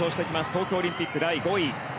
東京オリンピック第５位。